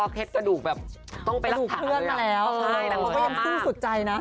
ก็ยังคุ้มสุดใจนะ